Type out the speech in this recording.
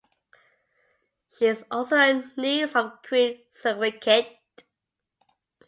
She is also a niece of Queen Sirikit.